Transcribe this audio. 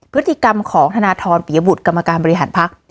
พฤติกรรมของธนทรปิยบุตรกรรมการบริหารพัก